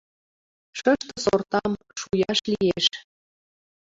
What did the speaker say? Шыште сортам шуяш лиеш